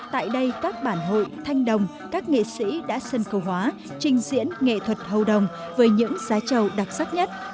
tại đây các bản hội thanh đồng các nghệ sĩ đã sân khấu hóa trình diễn nghệ thuật hầu đồng với những giá trầu đặc sắc nhất